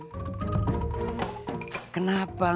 mending kita jalan jalan sambil jualan